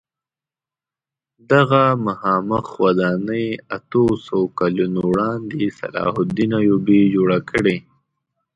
دغه مخامخ ودانۍ اتو سوو کلونو وړاندې صلاح الدین ایوبي جوړه کړې.